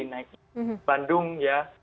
naik bandung ya